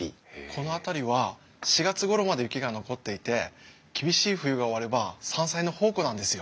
この辺りは４月ごろまで雪が残っていて厳しい冬が終われば山菜の宝庫なんですよ。